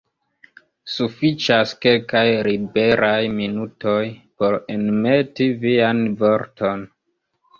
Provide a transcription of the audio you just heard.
Sufiĉas kelkaj liberaj minutoj por enmeti vian vorton.